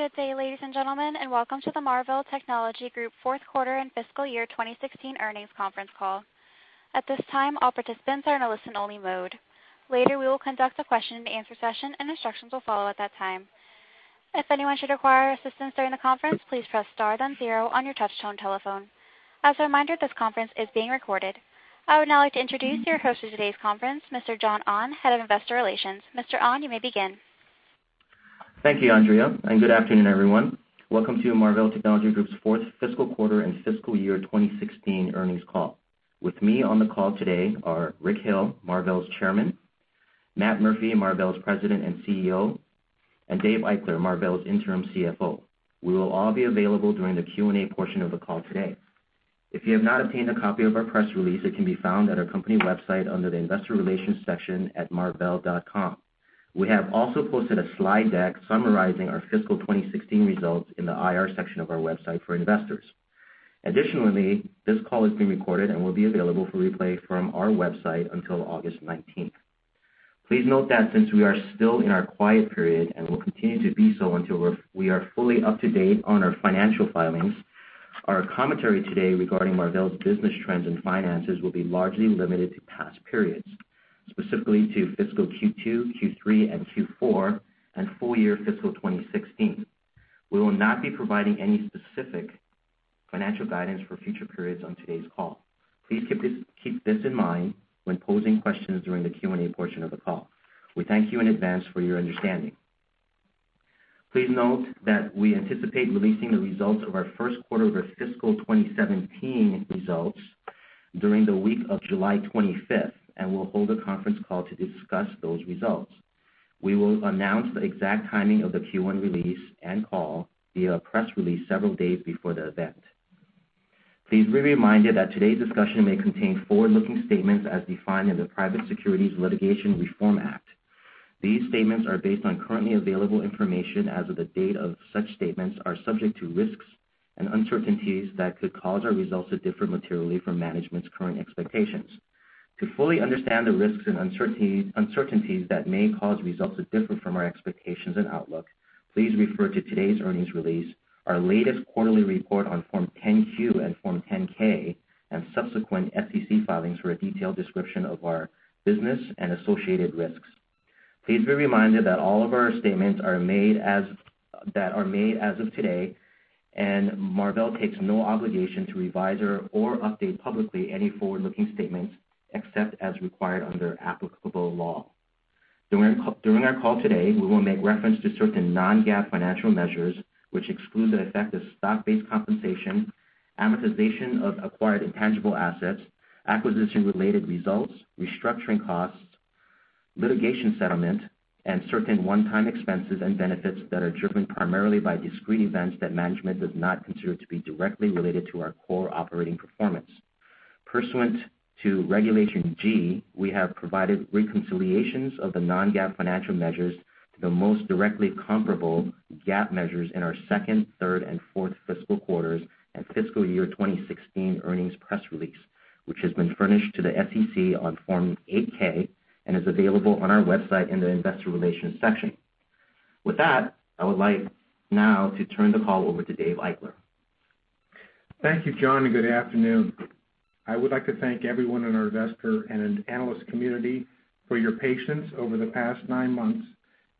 Good day, ladies and gentlemen, and welcome to the Marvell Technology Group fourth quarter and fiscal year 2016 earnings conference call. At this time, all participants are in a listen only mode. Later, we will conduct a question and answer session and instructions will follow at that time. If anyone should require assistance during the conference, please press star then zero on your touchtone telephone. As a reminder, this conference is being recorded. I would now like to introduce your host for today's conference, Mr. John Ahn, Head of Investor Relations. Mr. Ahn, you may begin. Thank you, Andrea, and good afternoon, everyone. Welcome to Marvell Technology Group's fourth fiscal quarter and fiscal year 2016 earnings call. With me on the call today are Rick Hill, Marvell's Chairman, Matt Murphy, Marvell's President and CEO, and Dave Eichler, Marvell's Interim CFO. We will all be available during the Q&A portion of the call today. If you have not obtained a copy of our press release, it can be found at our company website under the investor relations section at marvell.com. We have also posted a slide deck summarizing our fiscal 2016 results in the IR section of our website for investors. Additionally, this call is being recorded and will be available for replay from our website until August 19th. Please note that since we are still in our quiet period and will continue to be so until we are fully up to date on our financial filings, our commentary today regarding Marvell's business trends and finances will be largely limited to past periods, specifically to fiscal Q2, Q3, and Q4, and full year fiscal 2016. We will not be providing any specific financial guidance for future periods on today's call. Please keep this in mind when posing questions during the Q&A portion of the call. We thank you in advance for your understanding. Please note that we anticipate releasing the results of our first quarter of our fiscal 2017 results during the week of July 25th, and we will hold a conference call to discuss those results. We will announce the exact timing of the Q1 release and call via press release several days before the event. Please be reminded that today's discussion may contain forward-looking statements as defined in the Private Securities Litigation Reform Act. These statements are based on currently available information as of the date of such statements are subject to risks and uncertainties that could cause our results to differ materially from management's current expectations. To fully understand the risks and uncertainties that may cause results to differ from our expectations and outlook, please refer to today's earnings release, our latest quarterly report on Form 10-Q and Form 10-K, and subsequent SEC filings for a detailed description of our business and associated risks. Please be reminded that all of our statements are made as of today, and Marvell takes no obligation to revise or update publicly any forward-looking statements except as required under applicable law. During our call today, we will make reference to certain non-GAAP financial measures, which exclude the effect of stock-based compensation, amortization of acquired intangible assets, acquisition-related results, restructuring costs, litigation settlement, and certain one-time expenses and benefits that are driven primarily by discrete events that management does not consider to be directly related to our core operating performance. Pursuant to Regulation G, we have provided reconciliations of the non-GAAP financial measures to the most directly comparable GAAP measures in our second, third, and fourth fiscal quarters and fiscal year 2016 earnings press release, which has been furnished to the SEC on Form 8-K and is available on our website in the investor relations section. With that, I would like now to turn the call over to Dave Eichler. Thank you, John, and good afternoon. I would like to thank everyone in our investor and analyst community for your patience over the past nine months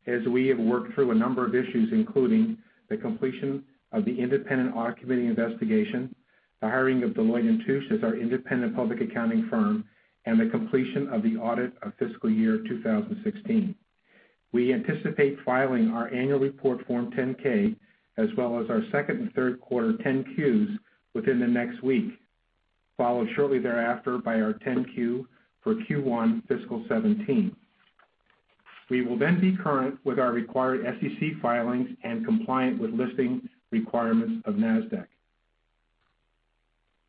as we have worked through a number of issues, including the completion of the independent audit committee investigation, the hiring of Deloitte & Touche as our independent public accounting firm, and the completion of the audit of fiscal year 2016. We anticipate filing our annual report Form 10-K, as well as our second and third quarter 10-Qs within the next week, followed shortly thereafter by our 10-Q for Q1 fiscal 2017. We will then be current with our required SEC filings and compliant with listing requirements of Nasdaq.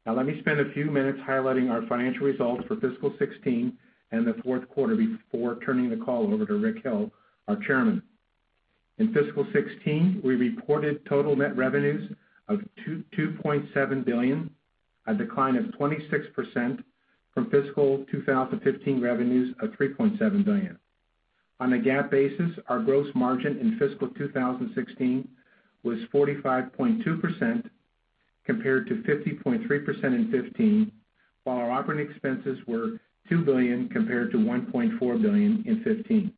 Let me spend a few minutes highlighting our financial results for fiscal 2016 and the fourth quarter before turning the call over to Rick Hill, our chairman. In fiscal 2016, we reported total net revenues of $2.7 billion, a decline of 26% from fiscal 2015 revenues of $3.7 billion. On a GAAP basis, our gross margin in fiscal 2016 was 45.2% compared to 50.3% in 2015, while our operating expenses were $2 billion compared to $1.4 billion in 2015.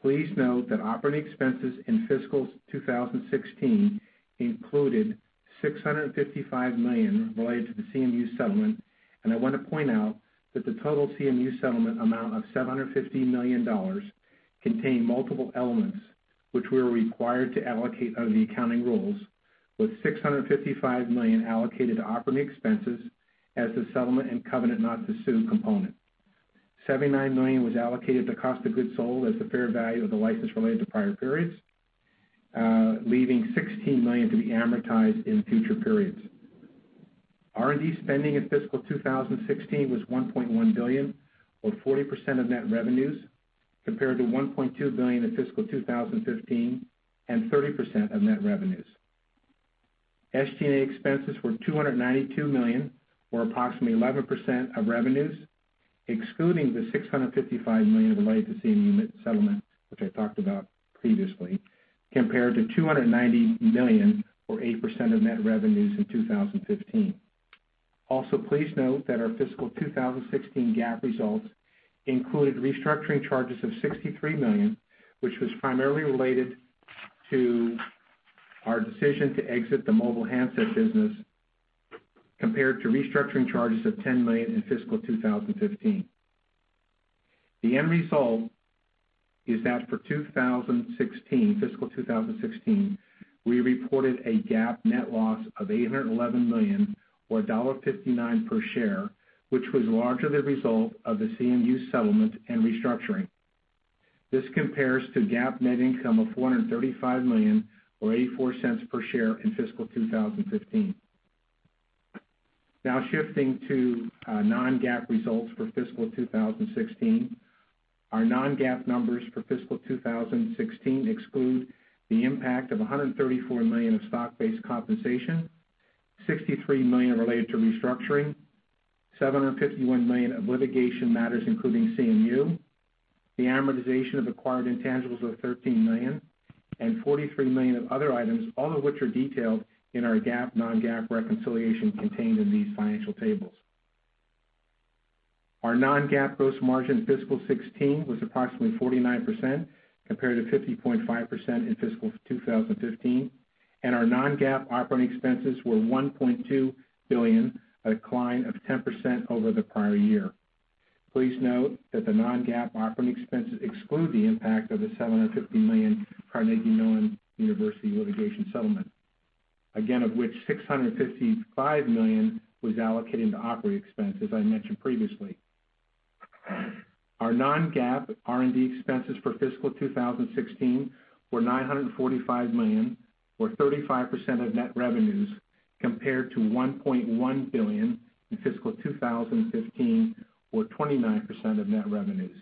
Please note that operating expenses in fiscal 2016 included $655 million related to the CMU settlement, and I want to point out that the total CMU settlement amount of $750 million contained multiple elements, which we are required to allocate under the accounting rules, with $655 million allocated to operating expenses as the settlement and covenant not to sue component. $79 million was allocated to cost of goods sold as the fair value of the license related to prior periods, leaving $16 million to be amortized in future periods. R&D spending in fiscal 2016 was $1.1 billion, or 40% of net revenues, compared to $1.2 billion in fiscal 2015 and 30% of net revenues. SG&A expenses were $292 million, or approximately 11% of revenues, excluding the $655 million related to CMU settlement, which I talked about previously, compared to $290 million or 8% of net revenues in 2015. Please note that our fiscal 2016 GAAP results included restructuring charges of $63 million, which was primarily related to our decision to exit the mobile handset business, compared to restructuring charges of $10 million in fiscal 2015. The end result is that for fiscal 2016, we reported a GAAP net loss of $811 million, or $1.59 per share, which was largely the result of the CMU settlement and restructuring. This compares to GAAP net income of $435 million or $0.84 per share in fiscal 2015. Shifting to non-GAAP results for fiscal 2016. Our non-GAAP numbers for fiscal 2016 exclude the impact of $134 million of stock-based compensation, $63 million related to restructuring, $751 million of litigation matters, including CMU, the amortization of acquired intangibles of $13 million and $43 million of other items, all of which are detailed in our GAAP non-GAAP reconciliation contained in these financial tables. Our non-GAAP gross margin fiscal 2016 was approximately 49% compared to 50.5% in fiscal 2015, and our non-GAAP operating expenses were $1.2 billion, a decline of 10% over the prior year. Please note that the non-GAAP operating expenses exclude the impact of the $750 million Carnegie Mellon University litigation settlement, again, of which $655 million was allocated to operating expenses, as I mentioned previously. Our non-GAAP R&D expenses for fiscal 2016 were $945 million, or 35% of net revenues, compared to $1.1 billion in fiscal 2015, or 29% of net revenues.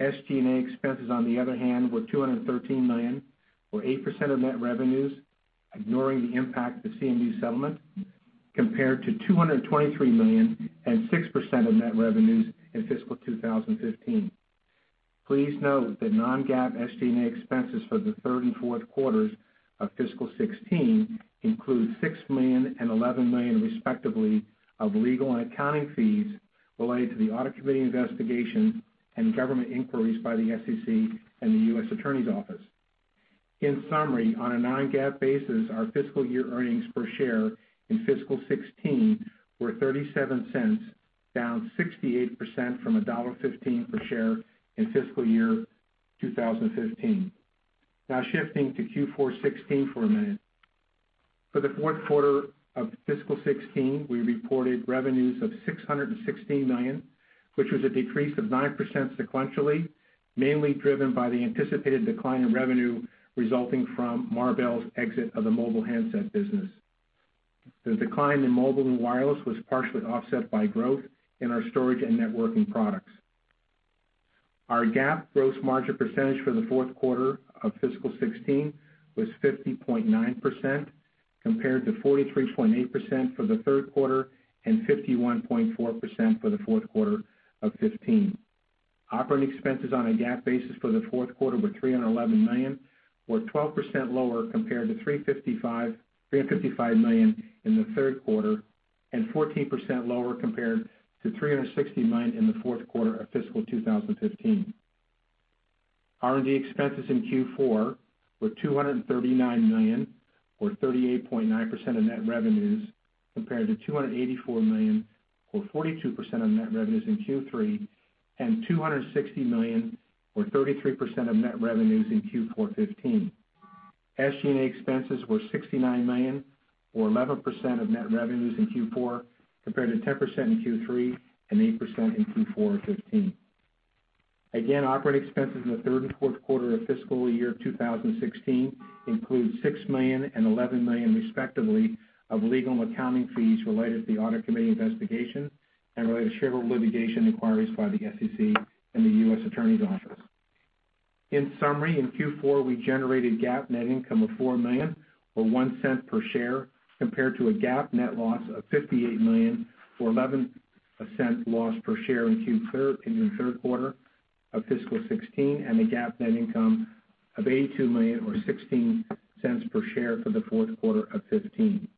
SG&A expenses, on the other hand, were $213 million or 8% of net revenues, ignoring the impact of the CMU settlement, compared to $223 million and 6% of net revenues in fiscal 2015. Please note that non-GAAP SG&A expenses for the third and fourth quarters of fiscal 2016 include $6 million and $11 million, respectively, of legal and accounting fees related to the audit committee investigation and government inquiries by the SEC and the U.S. Attorney's Office. On a non-GAAP basis, our fiscal year earnings per share in fiscal 2016 were $0.37, down 68% from $1.15 per share in fiscal year 2015. Shifting to Q4 2016 for a minute. For the fourth quarter of fiscal 2016, we reported revenues of $616 million, which was a decrease of 9% sequentially, mainly driven by the anticipated decline in revenue resulting from Marvell's exit of the mobile handset business. The decline in mobile and wireless was partially offset by growth in our storage and networking products. Our GAAP gross margin percentage for the fourth quarter of fiscal 2016 was 50.9%, compared to 43.8% for the third quarter and 51.4% for the fourth quarter of 2015. Operating expenses on a GAAP basis for the fourth quarter were $311 million, or 12% lower compared to $355 million in the third quarter, and 14% lower compared to $360 million in the fourth quarter of fiscal 2015. R&D expenses in Q4 were $239 million, or 38.9% of net revenues, compared to $284 million or 42% of net revenues in Q3, and $260 million or 33% of net revenues in Q4 2015. SG&A expenses were $69 million or 11% of net revenues in Q4, compared to 10% in Q3 and 8% in Q4 2015. Operating expenses in the third and fourth quarter of fiscal year 2016 include $6 million and $11 million, respectively, of legal and accounting fees related to the audit committee investigation and related shareholder litigation inquiries by the SEC and the U.S. Attorney's Office. In summary, in Q4, we generated GAAP net income of $4 million or $0.01 per share compared to a GAAP net loss of $58 million or $0.11 loss per share in Q3 of fiscal 2016, and a GAAP net income of $82 million or $0.16 per share for the fourth quarter of 2015.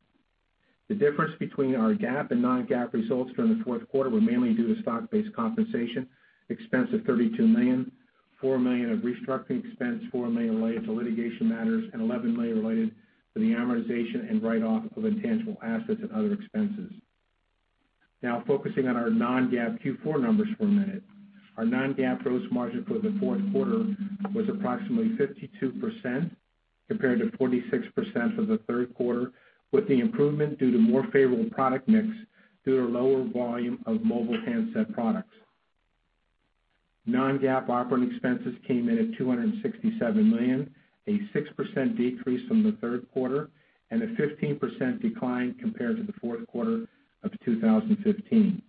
The difference between our GAAP and non-GAAP results during the fourth quarter were mainly due to stock-based compensation expense of $32 million, $4 million of restructuring expense, $4 million related to litigation matters, and $11 million related to the amortization and write-off of intangible assets and other expenses. Focusing on our non-GAAP Q4 numbers for a minute. Our non-GAAP gross margin for the fourth quarter was approximately 52% compared to 46% for the third quarter, with the improvement due to more favorable product mix due to lower volume of mobile handset products. Non-GAAP operating expenses came in at $267 million, a 6% decrease from the third quarter and a 15% decline compared to the fourth quarter of 2015.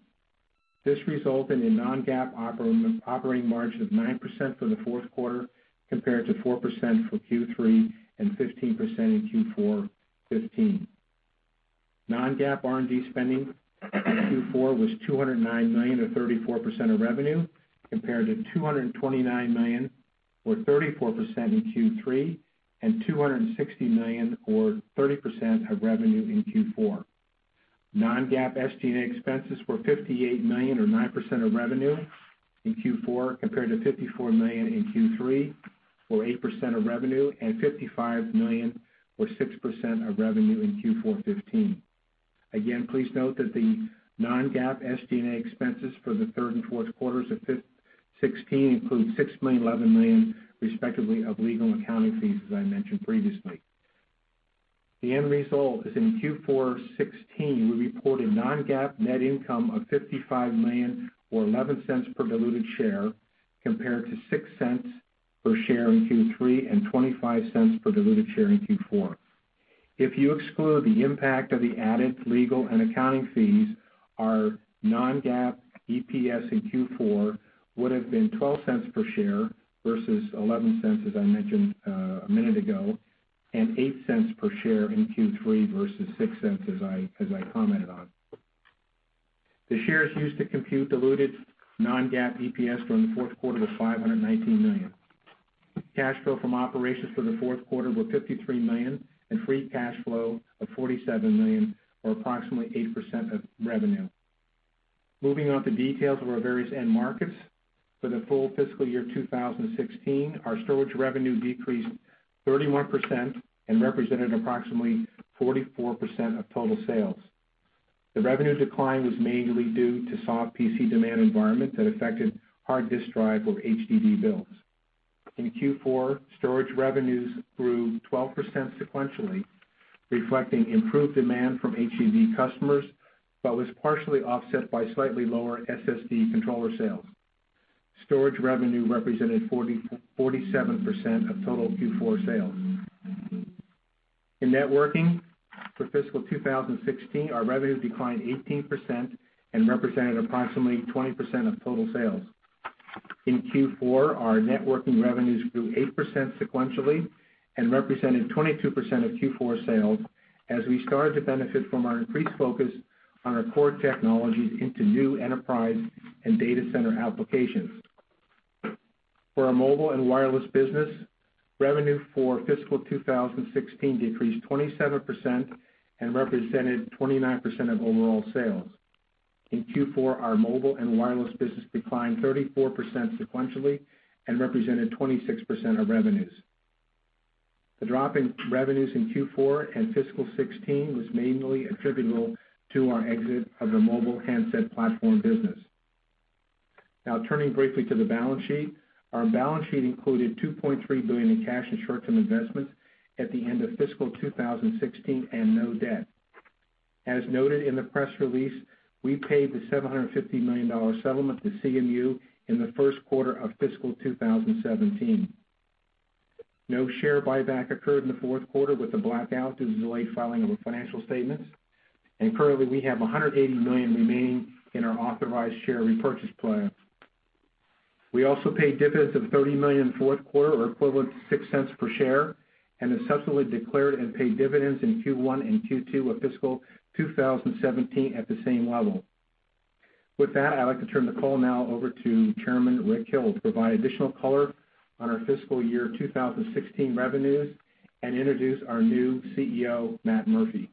This resulted in a non-GAAP operating margin of 9% for the fourth quarter, compared to 4% for Q3 and 15% in Q4 2015. Non-GAAP R&D spending in Q4 was $209 million, or 34% of revenue, compared to $229 million or 34% in Q3, and $260 million or 30% of revenue in Q4. Non-GAAP SG&A expenses were $58 million or 9% of revenue in Q4, compared to $54 million in Q3 or 8% of revenue, and $55 million or 6% of revenue in Q4 2015. Again, please note that the non-GAAP SG&A expenses for the third and fourth quarters of 2016 include $6 million and $11 million, respectively, of legal and accounting fees, as I mentioned previously. The end result is in Q4 2016, we reported non-GAAP net income of $55 million, or $0.11 per diluted share, compared to $0.06 per share in Q3 and $0.25 per diluted share in Q4. If you exclude the impact of the added legal and accounting fees, our non-GAAP EPS in Q4 would've been $0.12 per share versus $0.11, as I mentioned a minute ago, and $0.08 per share in Q3 versus $0.06 as I commented on. The shares used to compute diluted non-GAAP EPS during the fourth quarter was $519 million. Cash flow from operations for the fourth quarter were $53 million, and free cash flow of $47 million, or approximately 8% of revenue. Moving on to details of our various end markets. For the full fiscal year 2016, our storage revenue decreased 31% and represented approximately 44% of total sales. The revenue decline was mainly due to soft PC demand environment that affected hard disk drive or HDD bills. In Q4, storage revenues grew 12% sequentially, reflecting improved demand from HDD customers, but was partially offset by slightly lower SSD controller sales. Storage revenue represented 47% of total Q4 sales. In networking for fiscal 2016, our revenue declined 18% and represented approximately 20% of total sales. In Q4, our networking revenues grew 8% sequentially and represented 22% of Q4 sales as we started to benefit from our increased focus on our core technologies into new enterprise and data center applications. For our mobile and wireless business, revenue for fiscal 2016 decreased 27% and represented 29% of overall sales. In Q4, our mobile and wireless business declined 34% sequentially and represented 26% of revenues. The drop in revenues in Q4 and fiscal 2016 was mainly attributable to our exit of the mobile handset platform business. Turning briefly to the balance sheet. Our balance sheet included $2.3 billion in cash and short-term investments at the end of fiscal 2016 and no debt. As noted in the press release, we paid the $750 million settlement to CMU in the first quarter of fiscal 2017. No share buyback occurred in the fourth quarter with the blackout due to the delayed filing of our financial statements, and currently we have $180 million remaining in our authorized share repurchase plan. We also paid dividends of $30 million fourth quarter, or equivalent to $0.06 per share, and have subsequently declared and paid dividends in Q1 and Q2 of fiscal 2017 at the same level. With that, I'd like to turn the call now over to Chairman Rick Hill, to provide additional color on our fiscal year 2016 revenues and introduce our new CEO, Matt Murphy. Thank you,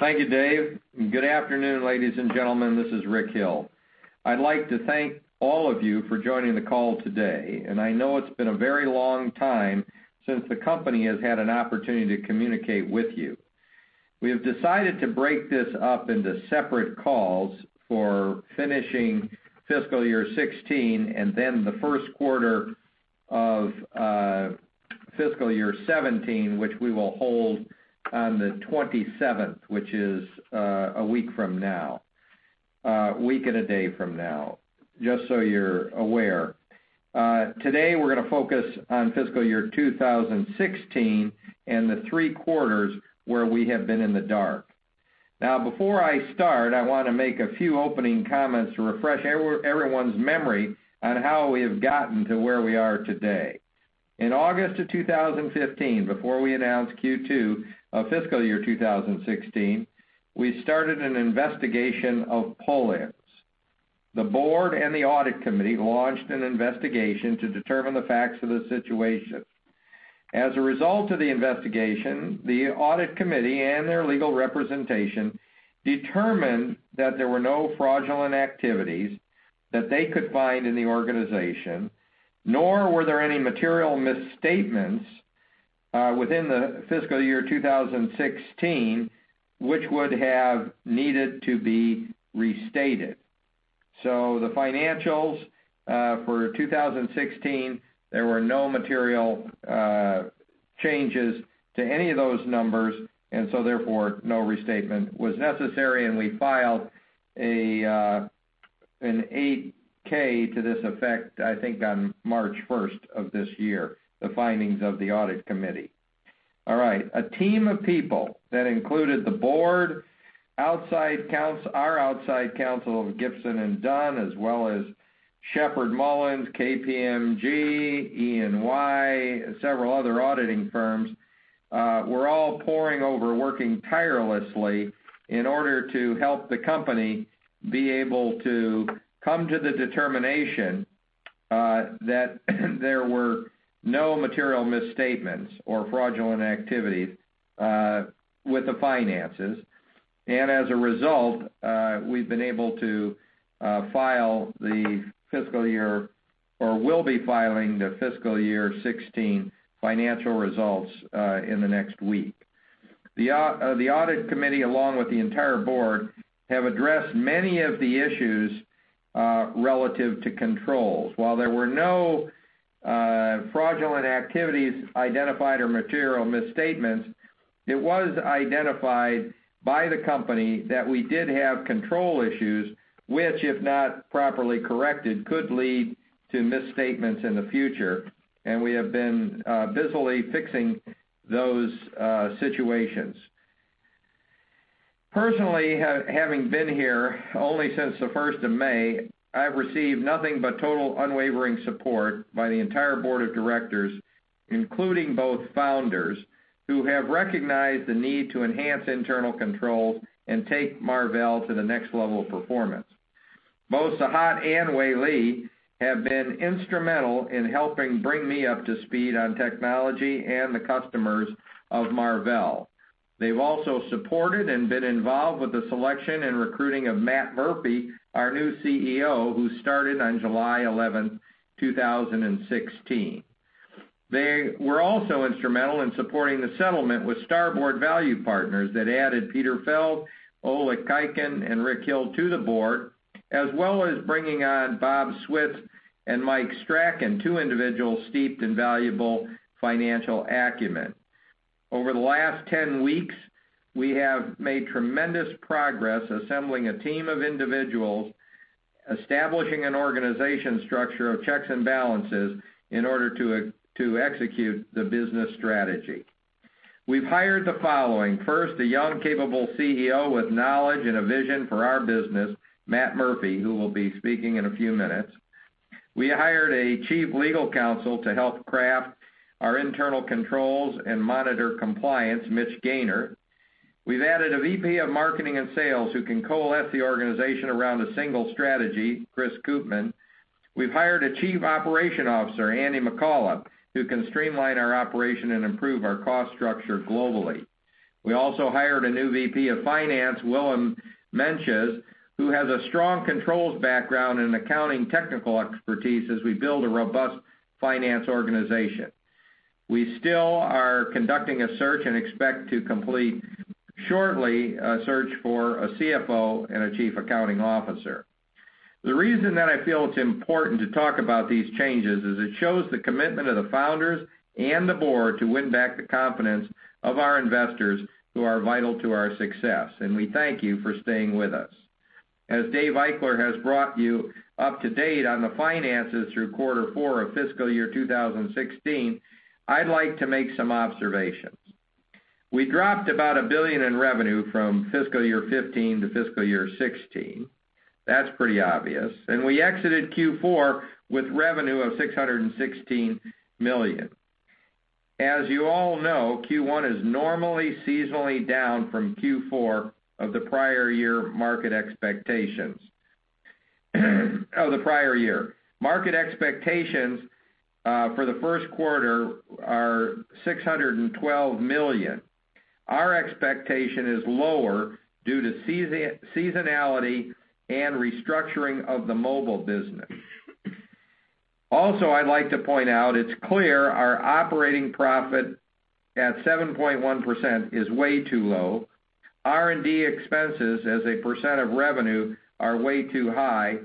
Dave. Good afternoon, ladies and gentlemen. This is Rick Hill. I'd like to thank all of you for joining the call today. I know it's been a very long time since the company has had an opportunity to communicate with you. We have decided to break this up into separate calls for finishing fiscal year 2016, the first quarter of fiscal year 2017, which we will hold on the 27th, which is a week from now. A week and a day from now, just so you're aware. Today, we're going to focus on fiscal year 2016 and the three quarters where we have been in the dark. Before I start, I want to make a few opening comments to refresh everyone's memory on how we have gotten to where we are today. In August of 2015, before we announced Q2 of fiscal year 2016, we started an investigation of [polers]. The board and the audit committee launched an investigation to determine the facts of the situation. As a result of the investigation, the audit committee and their legal representation determined that there were no fraudulent activities that they could find in the organization, nor were there any material misstatements within the fiscal year 2016, which would have needed to be restated. The financials, for 2016, there were no material changes to any of those numbers, therefore, no restatement was necessary. We filed an 8-K to this effect, I think on March 1st of this year, the findings of the audit committee. All right. A team of people that included the board, our outside counsel of Gibson Dunn, as well as Sheppard Mullin, KPMG, EY, several other auditing firms, were all poring over, working tirelessly in order to help the company be able to come to the determination that there were no material misstatements or fraudulent activity with the finances. As a result, we've been able to file the fiscal year, or will be filing the fiscal year 2016 financial results in the next week. The audit committee, along with the entire board, have addressed many of the issues relative to controls. While there were no fraudulent activities identified or material misstatements, it was identified by the company that we did have control issues, which, if not properly corrected, could lead to misstatements in the future. We have been busily fixing those situations. Personally, having been here only since the 1st of May, I've received nothing but total unwavering support by the entire board of directors, including both founders, who have recognized the need to enhance internal controls and take Marvell to the next level of performance. Both Sehat and Weili have been instrumental in helping bring me up to speed on technology and the customers of Marvell. They've also supported and been involved with the selection and recruiting of Matt Murphy, our new CEO, who started on July 11, 2016. They were also instrumental in supporting the settlement with Starboard Value LP that added Peter Feld, Oleg Khaykin, and Rick Hill to the board, as well as bringing on Bob Switz and Mike Strachan, two individuals steeped in valuable financial acumen. Over the last 10 weeks, we have made tremendous progress assembling a team of individuals, establishing an organization structure of checks and balances in order to execute the business strategy. We've hired the following. First, a young, capable CEO with knowledge and a vision for our business, Matt Murphy, who will be speaking in a few minutes. We hired a chief legal counsel to help craft our internal controls and monitor compliance, Mitchell Gaynor. We've added a VP of marketing and sales who can coalesce the organization around a single strategy, Chris Koopmans. We've hired a Chief Operating Officer, Andy McCullough, who can streamline our operation and improve our cost structure globally. We also hired a new VP of finance, Willem Meintjes, who has a strong controls background and accounting technical expertise as we build a robust finance organization. We still are conducting a search and expect to complete shortly a search for a CFO and a Chief Accounting Officer. The reason that I feel it's important to talk about these changes is it shows the commitment of the founders and the board to win back the confidence of our investors who are vital to our success. We thank you for staying with us. As Dave Eichler has brought you up to date on the finances through quarter four of fiscal year 2016, I'd like to make some observations. We dropped about $1 billion in revenue from fiscal year 2015 to fiscal year 2016. That's pretty obvious. We exited Q4 with revenue of $616 million. As you all know, Q1 is normally seasonally down from Q4 of the prior year. Market expectations for the first quarter are $612 million. Our expectation is lower due to seasonality and restructuring of the mobile business. I'd like to point out, it's clear our operating profit at 7.1% is way too low. R&D expenses as a % of revenue are way too high.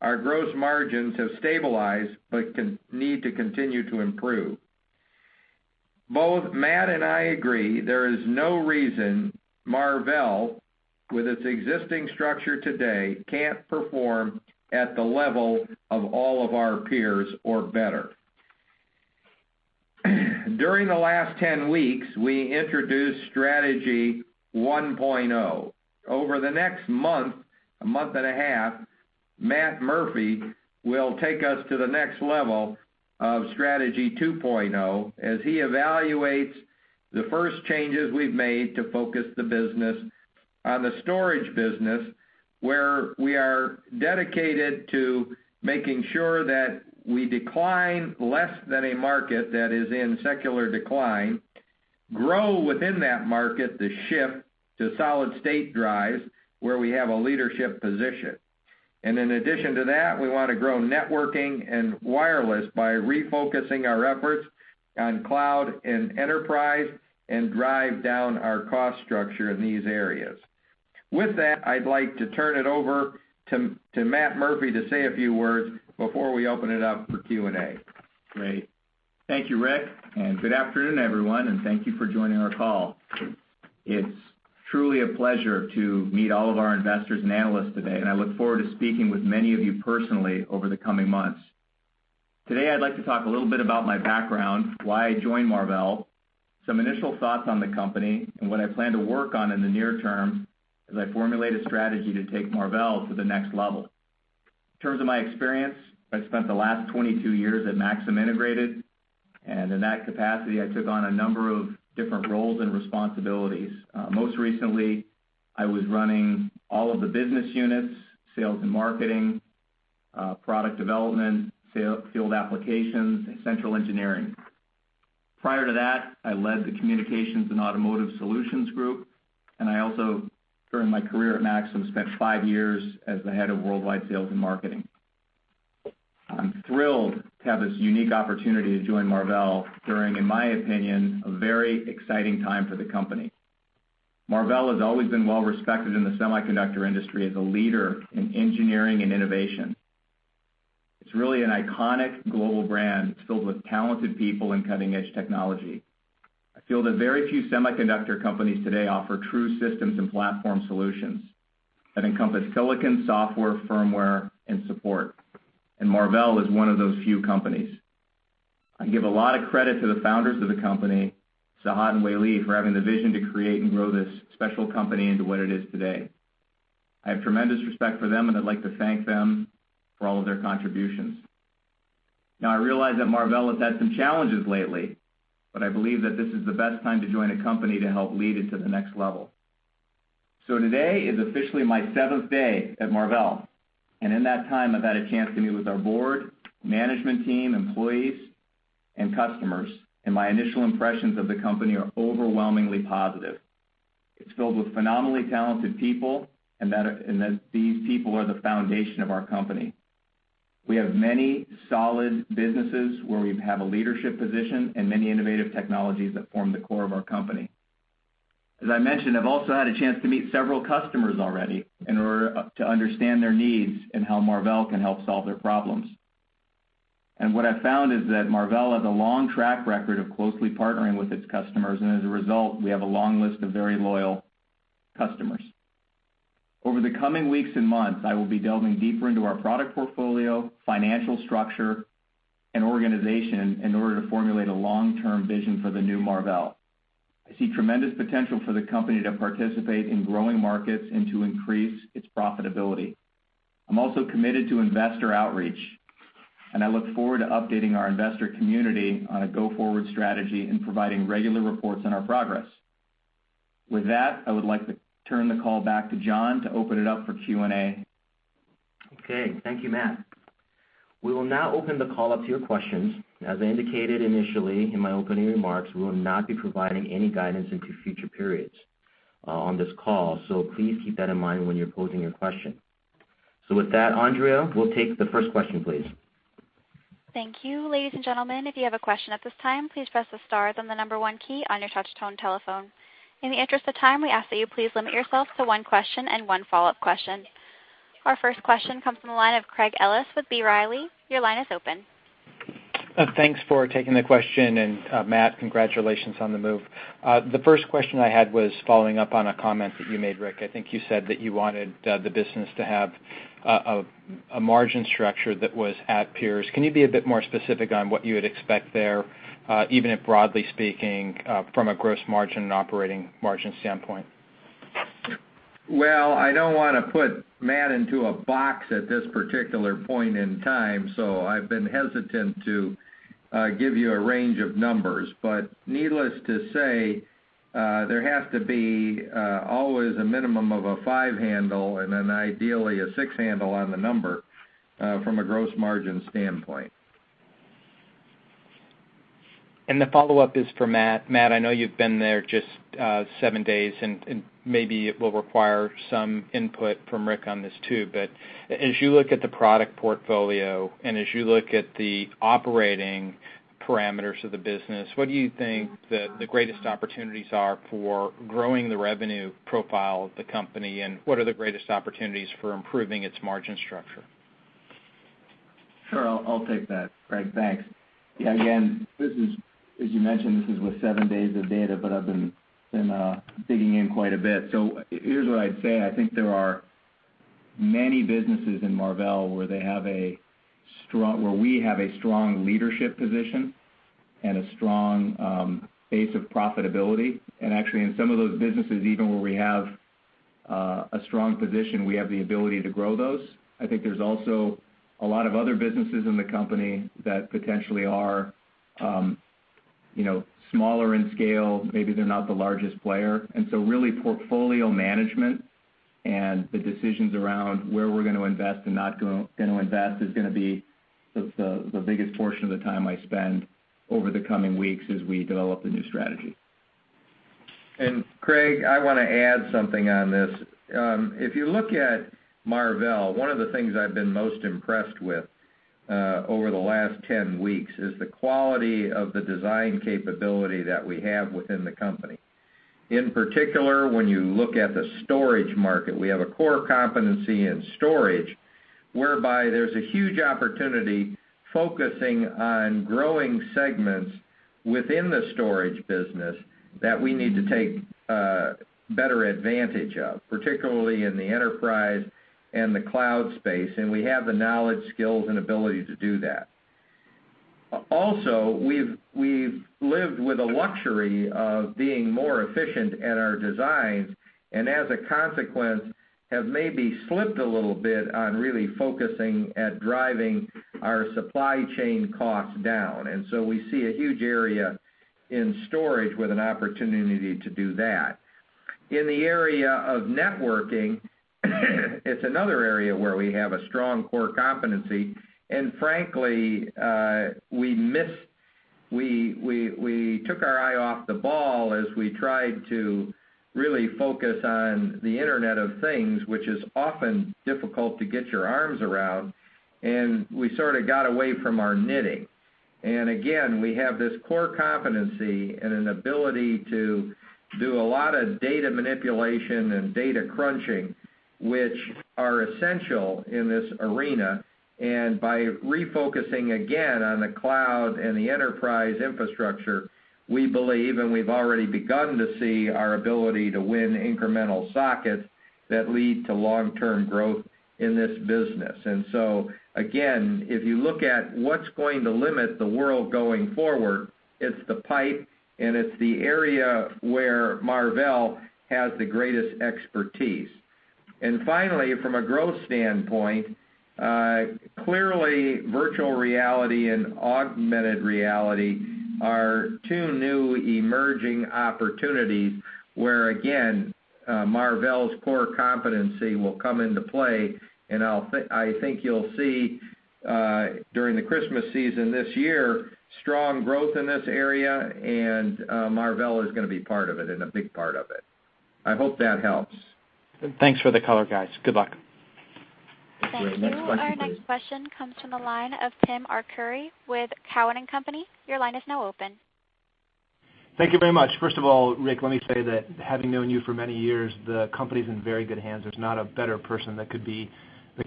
Our gross margins have stabilized but need to continue to improve. Both Matt and I agree there is no reason Marvell, with its existing structure today, can't perform at the level of all of our peers or better. During the last 10 weeks, we introduced Strategy 1.0. Over the next month and a half, Matt Murphy will take us to the next level of Strategy 2.0 as he evaluates the first changes we've made to focus the business on the storage business, where we are dedicated to making sure that we decline less than a market that is in secular decline, grow within that market the shift to solid-state drives, where we have a leadership position. In addition to that, we want to grow networking and wireless by refocusing our efforts on cloud and enterprise and drive down our cost structure in these areas. With that, I'd like to turn it over to Matt Murphy to say a few words before we open it up for Q&A. Great. Thank you, Rick, and good afternoon, everyone, and thank you for joining our call. It's truly a pleasure to meet all of our investors and analysts today, and I look forward to speaking with many of you personally over the coming months. Today, I'd like to talk a little about my background, why I joined Marvell, some initial thoughts on the company, and what I plan to work on in the near term as I formulate a strategy to take Marvell to the next level. In terms of my experience, I spent the last 22 years at Maxim Integrated, and in that capacity, I took on a number of different roles and responsibilities. Most recently, I was running all of the business units, sales and marketing, product development, field applications, and central engineering. Prior to that, I led the communications and automotive solutions group, and I also, during my career at Maxim, spent five years as the head of worldwide sales and marketing. I'm thrilled to have this unique opportunity to join Marvell during, in my opinion, a very exciting time for the company. Marvell has always been well-respected in the semiconductor industry as a leader in engineering and innovation. It's really an iconic global brand. It's filled with talented people and cutting-edge technology. I feel that very few semiconductor companies today offer true systems and platform solutions that encompass silicon, software, firmware, and support. Marvell is one of those few companies. I give a lot of credit to the founders of the company, Sehat and Weili, for having the vision to create and grow this special company into what it is today. I have tremendous respect for them. I'd like to thank them for all of their contributions. I realize that Marvell has had some challenges lately, but I believe that this is the best time to join a company to help lead it to the next level. Today is officially my seventh day at Marvell. In that time, I've had a chance to meet with our board, management team, employees, and customers. My initial impressions of the company are overwhelmingly positive. It's filled with phenomenally talented people and that these people are the foundation of our company. We have many solid businesses where we have a leadership position and many innovative technologies that form the core of our company. As I mentioned, I've also had a chance to meet several customers already in order to understand their needs and how Marvell can help solve their problems. What I've found is that Marvell has a long track record of closely partnering with its customers. As a result, we have a long list of very loyal customers. Over the coming weeks and months, I will be delving deeper into our product portfolio, financial structure, and organization in order to formulate a long-term vision for the new Marvell. I see tremendous potential for the company to participate in growing markets and to increase its profitability. I'm also committed to investor outreach. I look forward to updating our investor community on a go-forward strategy and providing regular reports on our progress. With that, I would like to turn the call back to John to open it up for Q&A. Okay. Thank you, Matt. We will now open the call up to your questions. As I indicated initially in my opening remarks, we will not be providing any guidance into future periods on this call. Please keep that in mind when you're posing your question. With that, Andrea, we'll take the first question, please. Thank you. Ladies and gentlemen, if you have a question at this time, please press the star then the number 1 key on your touch-tone telephone. In the interest of time, we ask that you please limit yourself to 1 question and 1 follow-up question. Our first question comes from the line of Craig Ellis with B. Riley. Your line is open. Thanks for taking the question, Matt, congratulations on the move. The first question I had was following up on a comment that you made, Rick. I think you said that you wanted the business to have a margin structure that was at peers. Can you be a bit more specific on what you would expect there, even if broadly speaking, from a gross margin and operating margin standpoint? Well, I don't want to put Matt into a box at this particular point in time, so I've been hesitant to give you a range of numbers. Needless to say, there has to be always a minimum of a five handle and then ideally a six handle on the number from a gross margin standpoint. The follow-up is for Matt. Matt, I know you've been there just seven days, and maybe it will require some input from Rick on this too, but as you look at the product portfolio and as you look at the operating parameters of the business, what do you think the greatest opportunities are for growing the revenue profile of the company, and what are the greatest opportunities for improving its margin structure? Sure. I'll take that, Craig. Thanks. Again, as you mentioned, this is with seven days of data, I've been digging in quite a bit. Here's what I'd say. I think there are many businesses in Marvell where we have a strong leadership position and a strong base of profitability. Actually in some of those businesses, even where we have a strong position, we have the ability to grow those. I think there's also a lot of other businesses in the company that potentially are smaller in scale. Maybe they're not the largest player. Really portfolio management and the decisions around where we're going to invest and not going to invest is going to be the biggest portion of the time I spend over the coming weeks as we develop the new strategy. Craig, I want to add something on this. If you look at Marvell, one of the things I've been most impressed with over the last 10 weeks is the quality of the design capability that we have within the company. In particular, when you look at the storage market, we have a core competency in storage, whereby there's a huge opportunity focusing on growing segments Within the storage business that we need to take better advantage of, particularly in the enterprise and the cloud space. We have the knowledge, skills, and ability to do that. Also, we've lived with the luxury of being more efficient at our designs, and as a consequence, have maybe slipped a little bit on really focusing at driving our supply chain costs down. So we see a huge area in storage with an opportunity to do that. In the area of networking, it's another area where we have a strong core competency. Frankly, we took our eye off the ball as we tried to really focus on the Internet of Things, which is often difficult to get your arms around. We sort of got away from our knitting. Again, we have this core competency and an ability to do a lot of data manipulation and data crunching, which are essential in this arena. By refocusing again on the cloud and the enterprise infrastructure, we believe, and we've already begun to see our ability to win incremental sockets that lead to long-term growth in this business. So again, if you look at what's going to limit the world going forward, it's the pipe, and it's the area where Marvell has the greatest expertise. Finally, from a growth standpoint, clearly virtual reality and augmented reality are two new emerging opportunities where, again, Marvell's core competency will come into play, and I think you'll see, during the Christmas season this year, strong growth in this area, and Marvell is going to be part of it, and a big part of it. I hope that helps. Thanks for the color, guys. Good luck. You're welcome. Thanks. Thank you. Our next question comes from the line of Timothy Arcuri with Cowen and Company. Your line is now open. Thank you very much. First of all, Rick, let me say that having known you for many years, the company's in very good hands. There's not a better person that could be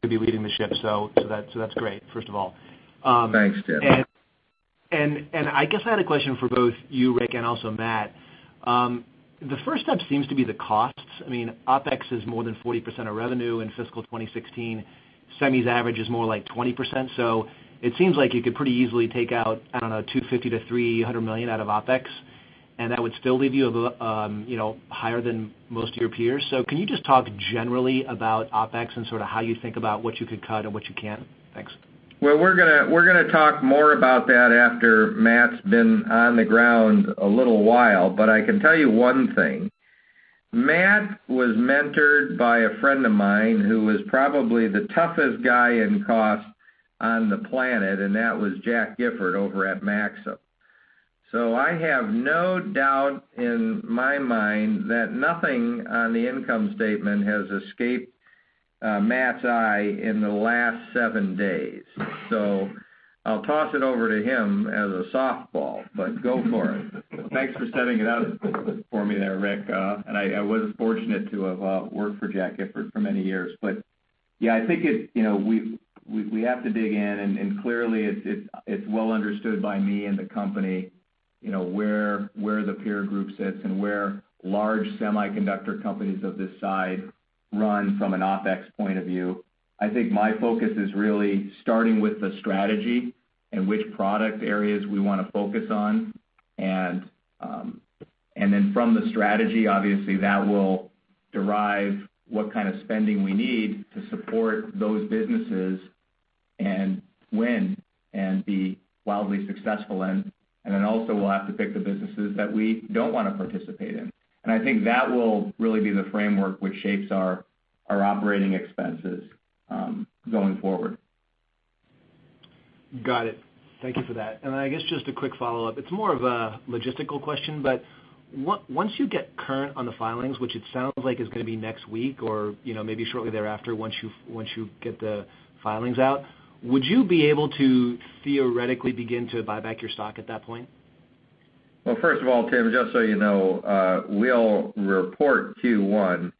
leading the ship. That's great, first of all. Thanks, Tim. I guess I had a question for both you, Rick, and also Matt. The first step seems to be the costs. OpEx is more than 40% of revenue in fiscal 2016. Semis average is more like 20%, it seems like you could pretty easily take out, I don't know, $250 million-$300 million out of OpEx, and that would still leave you higher than most of your peers. Can you just talk generally about OpEx and sort of how you think about what you could cut and what you can't? Thanks. We're going to talk more about that after Matt's been on the ground a little while, but I can tell you one thing. Matt was mentored by a friend of mine who was probably the toughest guy in cost on the planet, and that was Jack Gifford over at Maxim. I have no doubt in my mind that nothing on the income statement has escaped Matt's eye in the last seven days. I'll toss it over to him as a softball, but go for it. Thanks for setting it up for me there, Rick. I was fortunate to have worked for Jack Gifford for many years. Yeah, I think we have to dig in, and clearly, it's well understood by me and the company where the peer group sits and where large semiconductor companies of this size run from an OpEx point of view. I think my focus is really starting with the strategy and which product areas we want to focus on. Then from the strategy, obviously, that will derive what kind of spending we need to support those businesses and win and be wildly successful. Then also, we'll have to pick the businesses that we don't want to participate in. I think that will really be the framework which shapes our operating expenses going forward. Got it. Thank you for that. I guess just a quick follow-up. It's more of a logistical question, once you get current on the filings, which it sounds like is going to be next week or maybe shortly thereafter once you get the filings out, would you be able to theoretically begin to buy back your stock at that point? Well, first of all, Tim, just so you know, we'll report Q1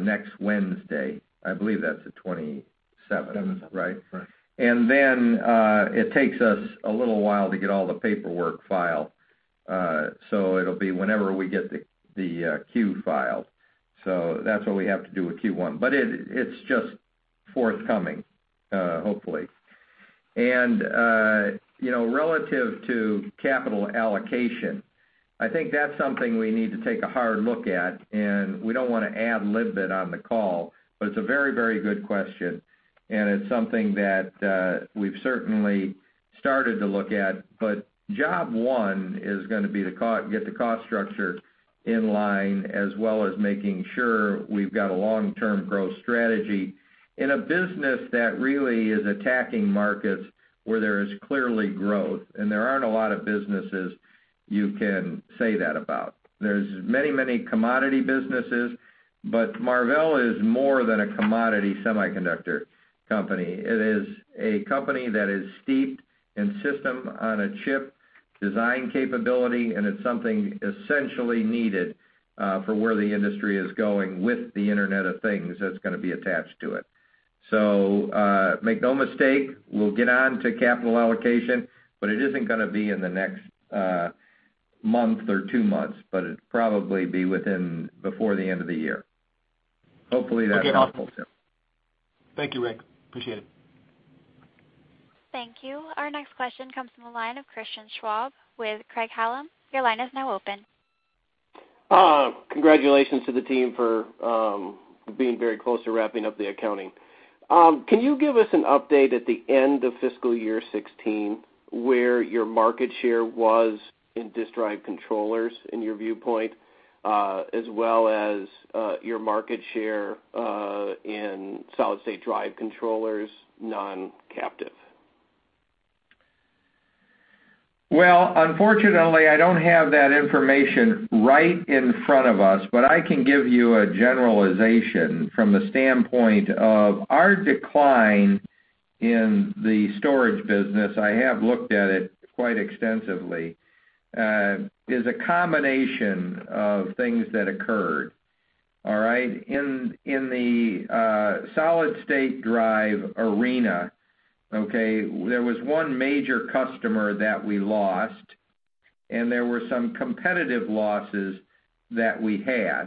next Wednesday. I believe that's the 27th. 27th. Right? Right. It takes us a little while to get all the paperwork filed. It'll be whenever we get the Q filed. That's what we have to do with Q1. It's just forthcoming, hopefully. Relative to capital allocation, I think that's something we need to take a hard look at, and we don't want to ad lib it on the call, it's a very, very good question, and it's something that we've certainly started to look at. Job one is going to be get the cost structure in line, as well as making sure we've got a long-term growth strategy in a business that really is attacking markets where there is clearly growth, and there aren't a lot of businesses you can say that about. There's many, many commodity businesses, but Marvell is more than a commodity semiconductor company. It is a company that is steeped in system-on-a-chip design capability, and it's something essentially needed for where the industry is going with the Internet of Things that's going to be attached to it. Make no mistake, we'll get on to capital allocation, but it isn't going to be in the next month or two months, but it'll probably be within, before the end of the year. Hopefully that's helpful Tim. Okay. Thank you, Rick. Appreciate it. Thank you. Our next question comes from the line of Christian Schwab with Craig-Hallum. Your line is now open. Congratulations to the team for being very close to wrapping up the accounting. Can you give us an update at the end of fiscal year 2016, where your market share was in disk drive controllers, in your viewpoint, as well as your market share in solid-state drive controllers, non-captive? Well, unfortunately, I don't have that information right in front of us, but I can give you a generalization from the standpoint of our decline in the storage business, I have looked at it quite extensively, is a combination of things that occurred. All right? In the solid-state drive arena, okay, there was one major customer that we lost, and there were some competitive losses that we had.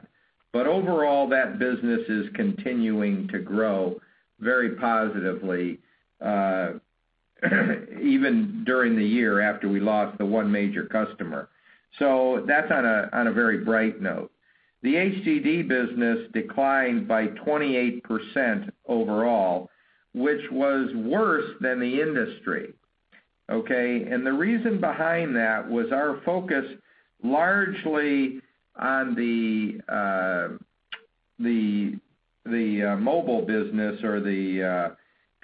Overall, that business is continuing to grow very positively even during the year after we lost the one major customer. That's on a very bright note. The HDD business declined by 28% overall, which was worse than the industry. Okay? The reason behind that was our focus largely on the mobile business or the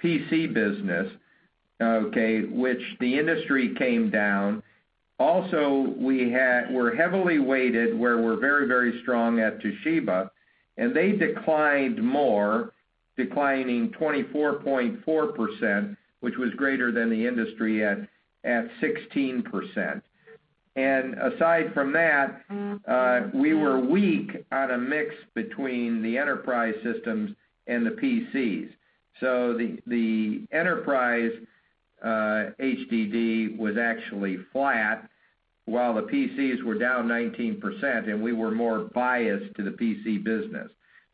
PC business, okay, which the industry came down. Also, we're heavily weighted where we're very strong at Toshiba, and they declined more, declining 24.4%, which was greater than the industry at 16%. Aside from that, we were weak on a mix between the enterprise systems and the PCs. The enterprise HDD was actually flat while the PCs were down 19%, and we were more biased to the PC business.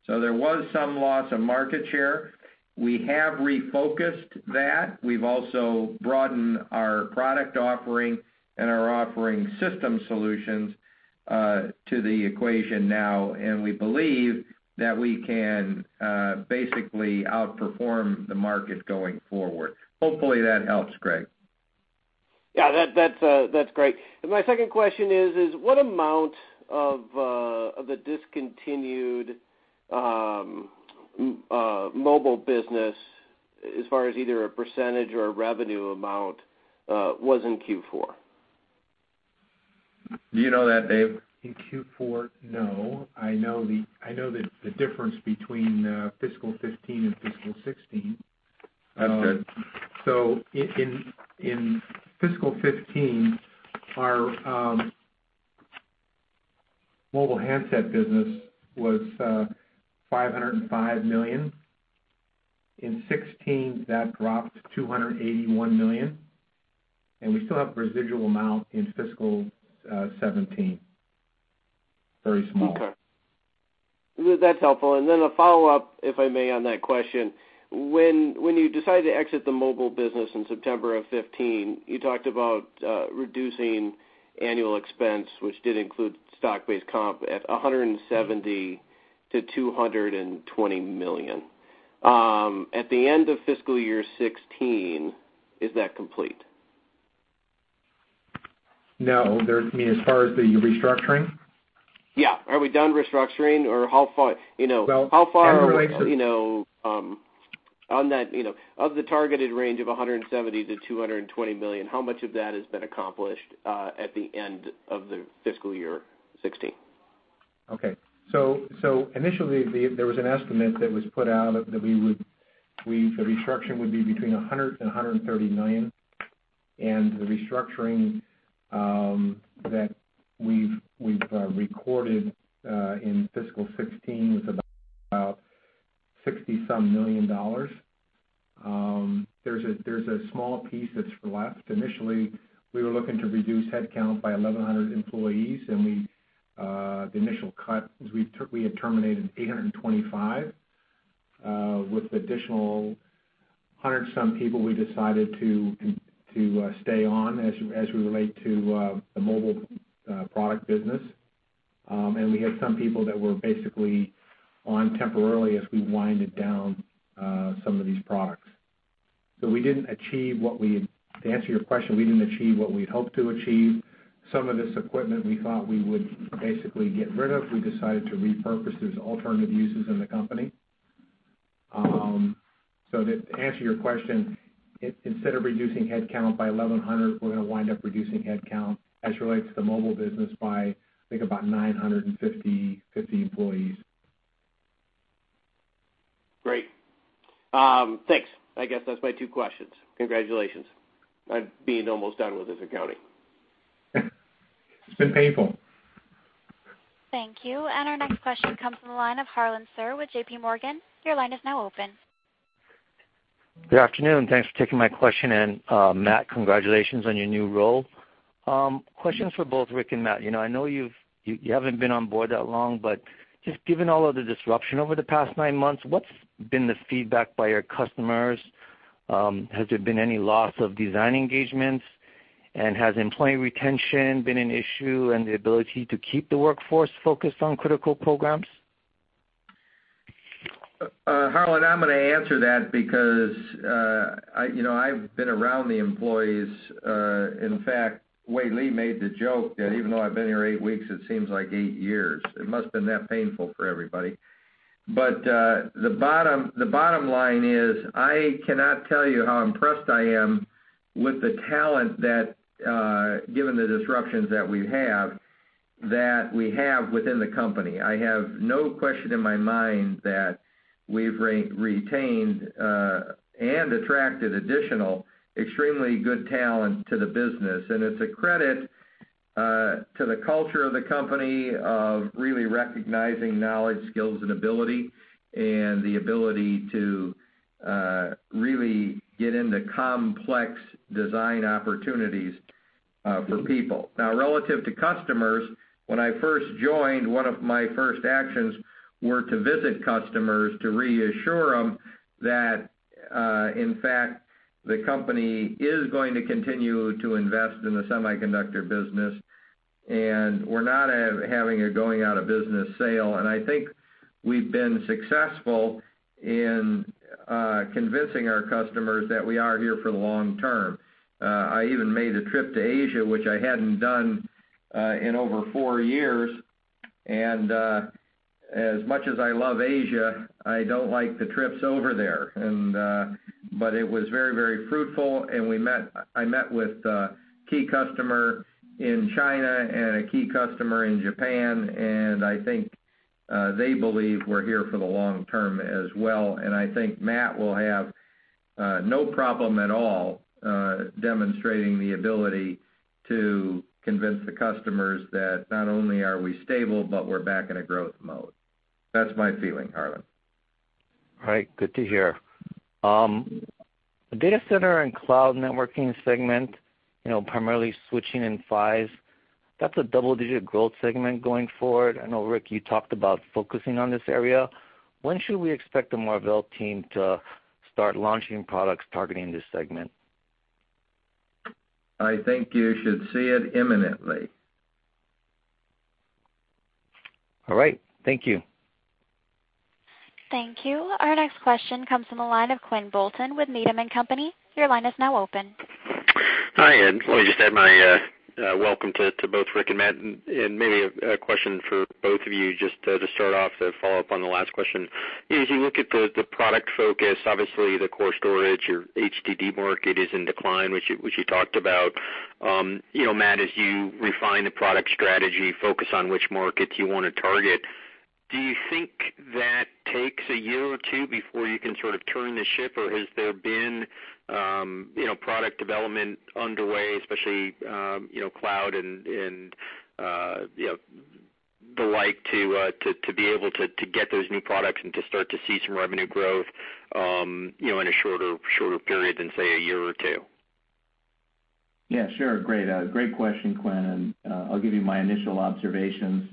There was some loss of market share. We have refocused that. We've also broadened our product offering and are offering system solutions to the equation now, and we believe that we can basically outperform the market going forward. Hopefully that helps, Craig. Yeah, that's great. My second question is what amount of the discontinued mobile business as far as either a percentage or a revenue amount, was in Q4? Do you know that, Dave? In Q4? No. I know the difference between fiscal 2015 and fiscal 2016. That's good. In fiscal 2015, our mobile handset business was $505 million. In 2016, that dropped to $281 million, and we still have a residual amount in fiscal 2017. Very small. Okay. That's helpful. Then a follow-up, if I may, on that question. When you decided to exit the mobile business in September of 2015, you talked about reducing annual expense, which did include stock-based comp at $170 million-$220 million. At the end of fiscal year 2016, is that complete? No. You mean as far as the restructuring? Yeah. Are we done restructuring? Well, as it relates. Of the targeted range of $170 million-$220 million, how much of that has been accomplished at the end of the fiscal year 2016? Initially, there was an estimate that was put out that the restructuring would be between $100 million and $130 million. The restructuring that we've recorded in fiscal year 2016 was about $60-some million. There's a small piece that's left. Initially, we were looking to reduce headcount by 1,100 employees, and the initial cut is we had terminated 825, with additional 100 some people we decided to stay on as we relate to the mobile product business. We had some people that were basically on temporarily as we winded down some of these products. To answer your question, we didn't achieve what we'd hoped to achieve. Some of this equipment we thought we would basically get rid of, we decided to repurpose. There's alternative uses in the company. To answer your question, instead of reducing headcount by 1,100, we're going to wind up reducing headcount as it relates to the mobile business by, I think about 950 employees. Great. Thanks. I guess that's my two questions. Congratulations on being almost done with this accounting. It's been painful Thank you. Our next question comes from the line of Harlan Sur with J.P. Morgan. Your line is now open. Good afternoon. Thanks for taking my question, and Matt, congratulations on your new role. Questions for both Rick and Matt. I know you haven't been on board that long, but just given all of the disruption over the past nine months, what's been the feedback by your customers? Has there been any loss of design engagements? Has employee retention been an issue in the ability to keep the workforce focused on critical programs? Harlan, I'm going to answer that because I've been around the employees. In fact, Weili Dai made the joke that even though I've been here eight weeks, it seems like eight years. It must have been that painful for everybody. The bottom line is, I cannot tell you how impressed I am with the talent that, given the disruptions that we've had, that we have within the company. I have no question in my mind that we've retained, and attracted additional extremely good talent to the business. It's a credit to the culture of the company of really recognizing knowledge, skills, and ability, and the ability to really get into complex design opportunities for people. Now, relative to customers, when I first joined, one of my first actions were to visit customers to reassure them that, in fact, the company is going to continue to invest in the semiconductor business, we're not having a going-out-of-business sale. I think we've been successful in convincing our customers that we are here for the long term. I even made a trip to Asia, which I hadn't done in over four years, as much as I love Asia, I don't like the trips over there. It was very fruitful, I met with a key customer in China and a key customer in Japan, I think they believe we're here for the long term as well. I think Matt will have no problem at all demonstrating the ability to convince the customers that not only are we stable, but we're back in a growth mode. That's my feeling, Harlan. All right. Good to hear. The data center and cloud networking segment, primarily switching in PHYs, that's a double-digit growth segment going forward. I know, Rick, you talked about focusing on this area. When should we expect the Marvell team to start launching products targeting this segment? I think you should see it imminently. All right. Thank you. Thank you. Our next question comes from the line of Quinn Bolton with Needham & Company. Your line is now open. Hi. Let me just add my welcome to both Rick and Matt. Maybe a question for both of you just to start off, to follow up on the last question. As you look at the product focus, obviously the core storage or HDD market is in decline, which you talked about. Matt, as you refine the product strategy, focus on which markets you want to target, do you think that takes a year or two before you can sort of turn the ship, or has there been product development underway, especially cloud and the like, to be able to get those new products and to start to see some revenue growth in a shorter period than, say, a year or two? Yeah, sure. Great question, Quinn. I'll give you my initial observations.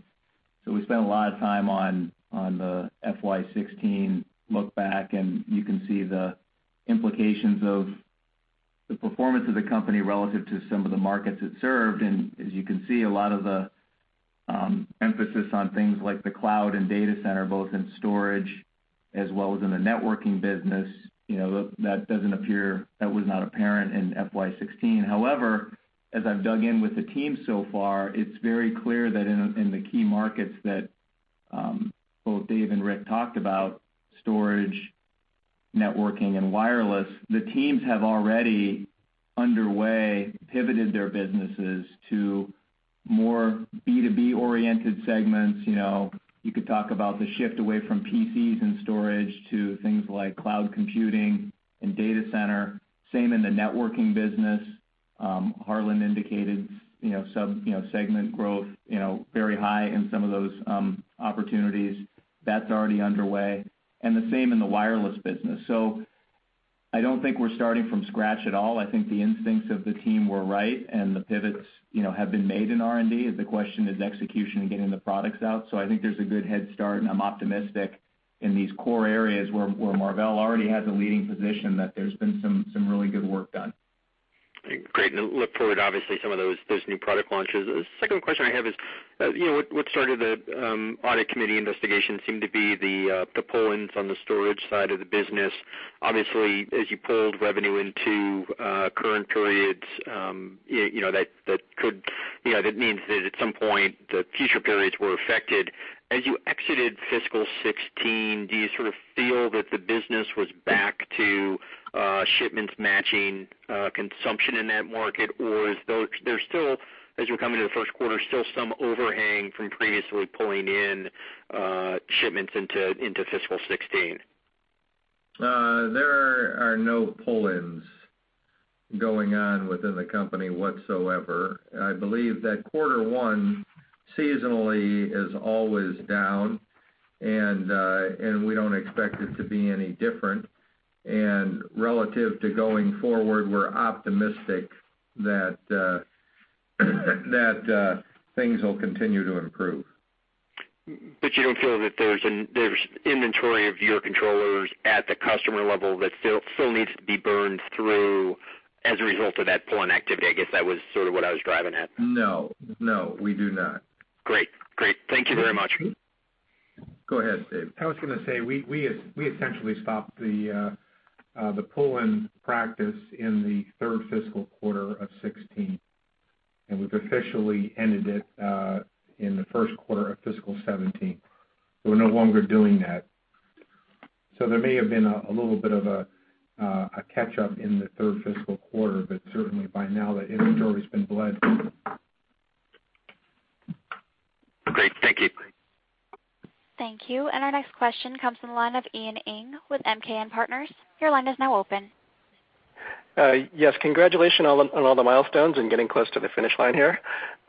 We spent a lot of time on the FY 2016 look back. You can see the implications of the performance of the company relative to some of the markets it served. As you can see, a lot of the emphasis on things like the cloud and data center, both in storage as well as in the networking business, that was not apparent in FY 2016. However, as I've dug in with the team so far, it's very clear that in the key markets that both Dave and Rick talked about, storage, networking, and wireless, the teams have already underway pivoted their businesses to more B2B-oriented segments. You could talk about the shift away from PCs and storage to things like cloud computing and data center. Same in the networking business. Harlan indicated segment growth very high in some of those opportunities. That's already underway. The same in the wireless business. I don't think we're starting from scratch at all. I think the instincts of the team were right. The pivots have been made in R&D. The question is execution and getting the products out. I think there's a good head start, and I'm optimistic in these core areas where Marvell already has a leading position, that there's been some really good work done. Great. Look forward, obviously, some of those new product launches. The second question I have is, what started the audit committee investigation seemed to be the pull-ins on the storage side of the business. Obviously, as you pulled revenue into current periods, that means that at some point, the future periods were affected. As you exited fiscal 2016, do you sort of feel that the business was back to shipments matching consumption in that market, or is there still, as we're coming to the first quarter, still some overhang from previously pulling in shipments into fiscal 2016? There are no pull-ins going on within the company whatsoever. I believe that quarter one seasonally is always down. We don't expect it to be any different. Relative to going forward, we're optimistic that things will continue to improve. You don't feel that there's inventory of your controllers at the customer level that still needs to be burned through as a result of that pull-in activity? I guess that was sort of what I was driving at. No, we do not. Great. Thank you very much. Go ahead, Dave. I was going to say, we essentially stopped the pull-in practice in the third fiscal quarter of 2016, and we've officially ended it in the first quarter of fiscal 2017. We're no longer doing that. There may have been a little bit of a catch-up in the third fiscal quarter, but certainly by now the inventory's been bled. Great. Thank you. Thank you. Our next question comes from the line of Ian Ing with MKM Partners. Your line is now open. Yes. Congratulations on all the milestones and getting close to the finish line here.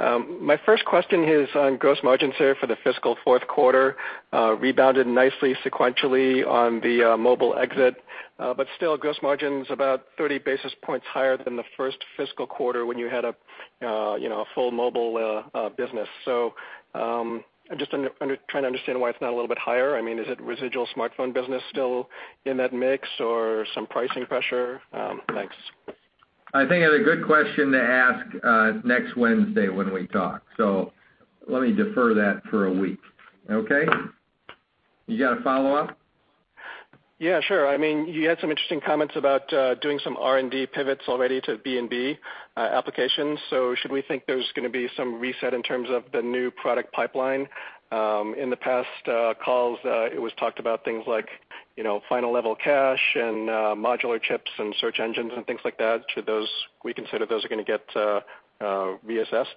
My first question is on gross margins here for the fiscal fourth quarter, rebounded nicely sequentially on the mobile exit. Still gross margin's about 30 basis points higher than the first fiscal quarter when you had a full mobile business. I'm just trying to understand why it's not a little bit higher. Is it residual smartphone business still in that mix or some pricing pressure? Thanks. I think that's a good question to ask next Wednesday when we talk. Let me defer that for a week. Okay? You got a follow-up? Yeah, sure. You had some interesting comments about doing some R&D pivots already to B2B applications. Should we think there's going to be some reset in terms of the new product pipeline? In the past calls, it was talked about things like final level cache and modular chips and search engines and things like that. Should we consider those are going to get reassessed?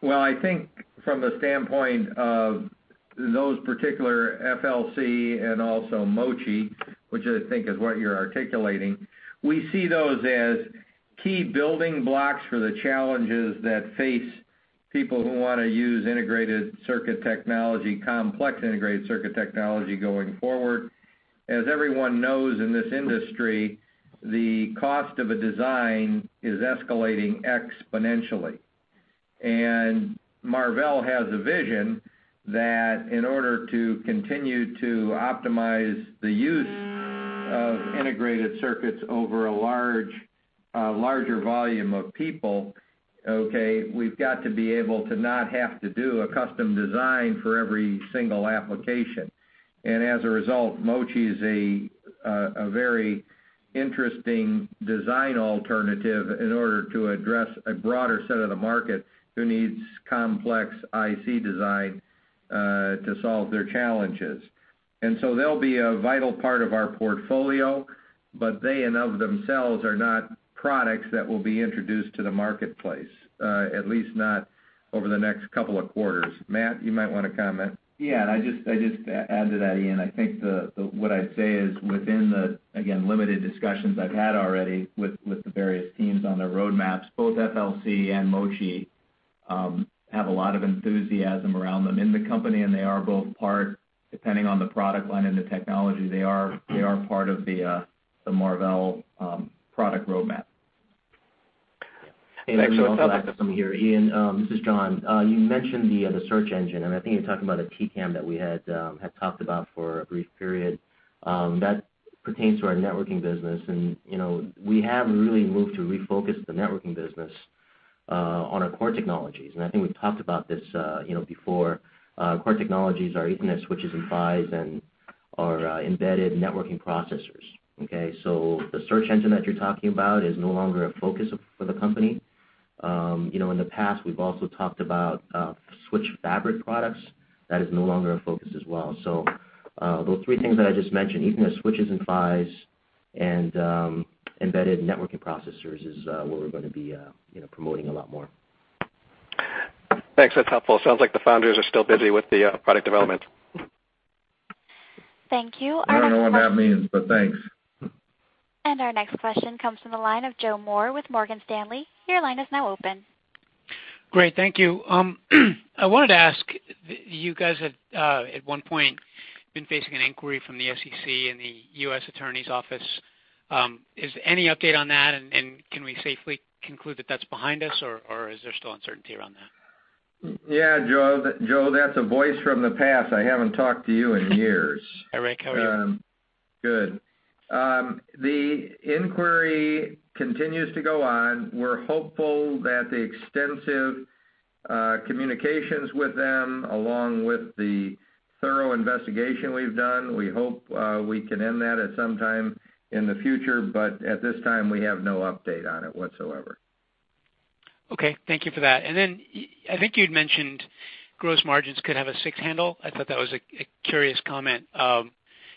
Well, I think from the standpoint of those particular FLC and also MoChi, which I think is what you're articulating, we see those as key building blocks for the challenges that face people who want to use integrated circuit technology, complex integrated circuit technology going forward. As everyone knows in this industry, the cost of a design is escalating exponentially. Marvell has a vision that in order to continue to optimize the use of integrated circuits over a larger volume of people, okay, we've got to be able to not have to do a custom design for every single application. As a result, MoChi is a very interesting design alternative in order to address a broader set of the market who needs complex IC design to solve their challenges. They'll be a vital part of our portfolio, but they in of themselves are not products that will be introduced to the marketplace, at least not over the next couple of quarters. Matt, you might want to comment. I just add to that, Ian, I think what I'd say is within the, again, limited discussions I've had already with the various teams on their roadmaps, both FLC and MoChi have a lot of enthusiasm around them in the company. They are both part, depending on the product line and the technology, they are part of the Marvell product roadmap. Thanks. That's helpful. Ian, this is John. You mentioned the search engine, I think you're talking about a TCAM that we had talked about for a brief period. That pertains to our networking business. We have really moved to refocus the networking business on our core technologies. I think we've talked about this before. Our core technologies are Ethernet switches and PHYs and our embedded networking processors, okay? The search engine that you're talking about is no longer a focus for the company. In the past, we've also talked about switch fabric products. That is no longer a focus as well. Those three things that I just mentioned, Ethernet switches and PHYs and embedded networking processors is what we're going to be promoting a lot more. Thanks. That's helpful. Sounds like the founders are still busy with the product development. Thank you. I don't know what that means, but thanks. Our next question comes from the line of Joseph Moore with Morgan Stanley. Your line is now open. Great. Thank you. I wanted to ask, you guys had, at one point, been facing an inquiry from the SEC and the U.S. Attorney's Office. Is any update on that, and can we safely conclude that that's behind us, or is there still uncertainty around that? Yeah, Joe. That's a voice from the past. I haven't talked to you in years. Hi, Rick. How are you? Good. The inquiry continues to go on. We're hopeful that the extensive communications with them, along with the thorough investigation we've done, we hope we can end that at some time in the future, at this time, we have no update on it whatsoever. Okay. Thank you for that. Then I think you'd mentioned gross margins could have a six handle. I thought that was a curious comment. I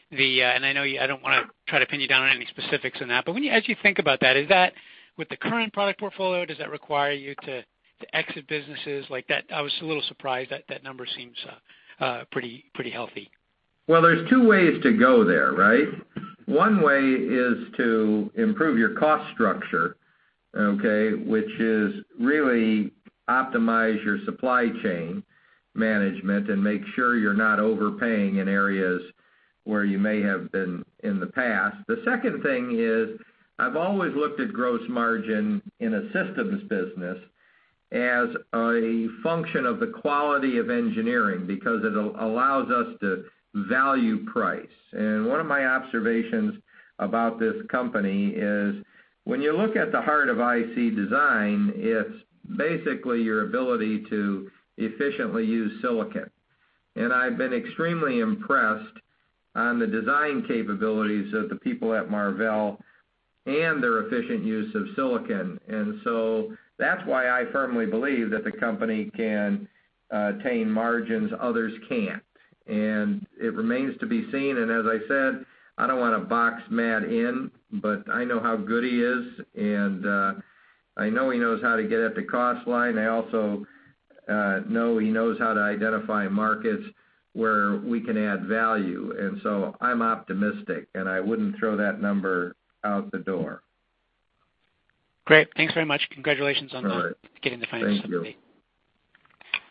don't want to try to pin you down on any specifics on that, as you think about that, with the current product portfolio, does that require you to exit businesses? I was a little surprised. That number seems pretty healthy. There's two ways to go there, right? One way is to improve your cost structure, which is really optimize your supply chain management and make sure you're not overpaying in areas where you may have been in the past. The second thing is, I've always looked at gross margin in a systems business as a function of the quality of engineering, because it allows us to value price. One of my observations about this company is when you look at the heart of IC design, it's basically your ability to efficiently use silicon. I've been extremely impressed on the design capabilities of the people at Marvell and their efficient use of silicon. That's why I firmly believe that the company can attain margins others can't, and it remains to be seen. As I said, I don't want to box Matt in, but I know how good he is, and I know he knows how to get at the cost line. I also know he knows how to identify markets where we can add value. I'm optimistic, and I wouldn't throw that number out the door. Great. Thanks very much. Congratulations on. All right. getting the financing. Thank you.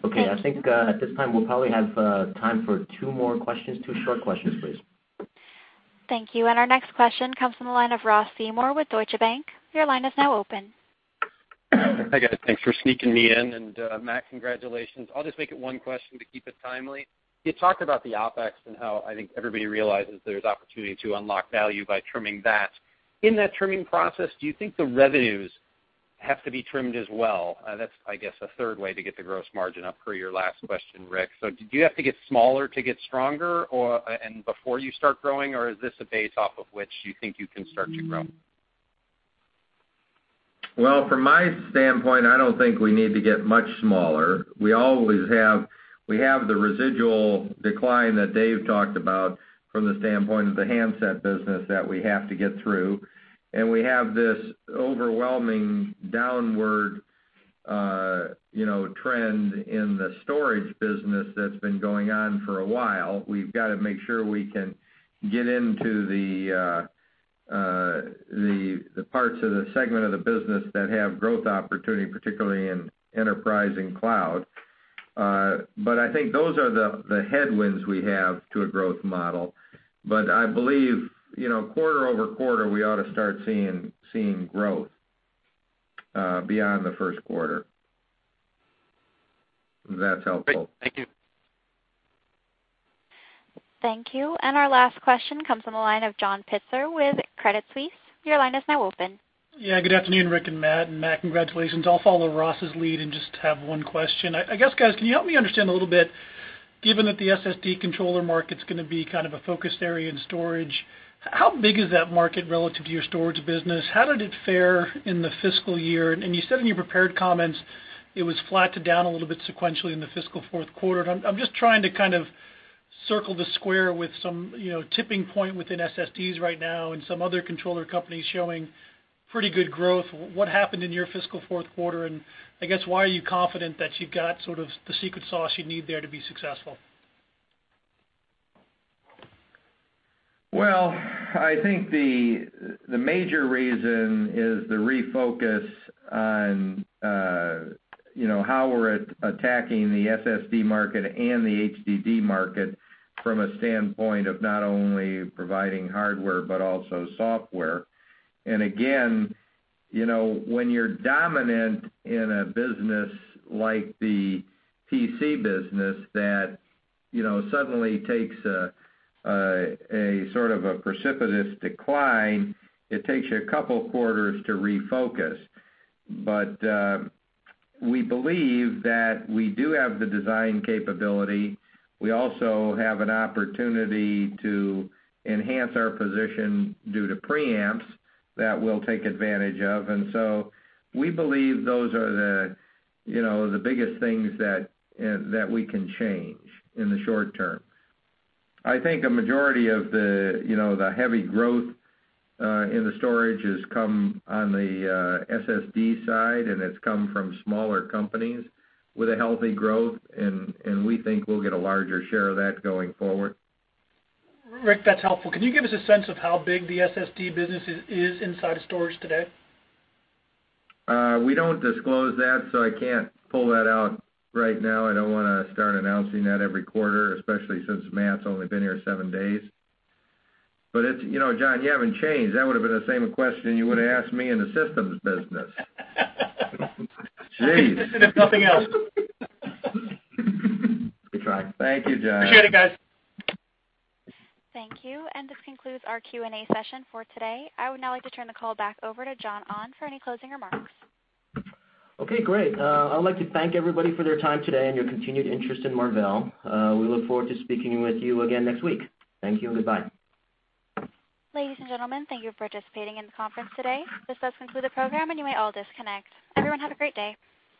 Okay. I think, at this time, we'll probably have time for two more questions. Two short questions, please. Thank you. Our next question comes from the line of Ross Seymore with Deutsche Bank. Your line is now open. Hi, guys. Thanks for sneaking me in. Matt, congratulations. I'll just make it one question to keep it timely. You talked about the OpEx and how I think everybody realizes there's opportunity to unlock value by trimming that. In that trimming process, do you think the revenues have to be trimmed as well? That's, I guess, a third way to get the gross margin up per your last question, Rick. Do you have to get smaller to get stronger and before you start growing, or is this a base off of which you think you can start to grow? Well, from my standpoint, I don't think we need to get much smaller. We have the residual decline that Dave talked about from the standpoint of the handset business that we have to get through, we have this overwhelming downward trend in the storage business that's been going on for a while. We've got to make sure we can get into the parts of the segment of the business that have growth opportunity, particularly in enterprise and cloud. I think those are the headwinds we have to a growth model. I believe, quarter over quarter, we ought to start seeing growth beyond the first quarter. If that's helpful. Great. Thank you. Thank you. Our last question comes from the line of John Pitzer with Credit Suisse. Your line is now open. Good afternoon, Rick and Matt. Matt, congratulations. I'll follow Ross's lead and just have one question. I guess, guys, can you help me understand a little bit, given that the SSD controller market's going to be kind of a focused area in storage, how big is that market relative to your storage business? How did it fare in the fiscal year? You said in your prepared comments it was flat to down a little bit sequentially in the fiscal fourth quarter. I'm just trying to kind of circle the square with some tipping point within SSDs right now and some other controller companies showing pretty good growth. What happened in your fiscal fourth quarter, and I guess, why are you confident that you've got sort of the secret sauce you need there to be successful? Well, I think the major reason is the refocus on how we're attacking the SSD market and the HDD market from a standpoint of not only providing hardware but also software. Again, when you're dominant in a business like the PC business that suddenly takes a sort of a precipitous decline, it takes you a couple of quarters to refocus. We believe that we do have the design capability. We also have an opportunity to enhance our position due to pre-amps that we'll take advantage of. We believe those are the biggest things that we can change in the short term. I think a majority of the heavy growth in the storage has come on the SSD side, and it's come from smaller companies with a healthy growth, and we think we'll get a larger share of that going forward. Rick, that's helpful. Can you give us a sense of how big the SSD business is inside of storage today? We don't disclose that, so I can't pull that out right now. I don't want to start announcing that every quarter, especially since Matt's only been here seven days. John, you haven't changed. That would've been the same question you would've asked me in the systems business. Jeez. If nothing else. We try. Thank you, John. Appreciate it, guys. Thank you. This concludes our Q&A session for today. I would now like to turn the call back over to John Ahn for any closing remarks. Okay, great. I would like to thank everybody for their time today and your continued interest in Marvell. We look forward to speaking with you again next week. Thank you and goodbye. Ladies and gentlemen, thank you for participating in the conference today. This does conclude the program, and you may all disconnect. Everyone, have a great day.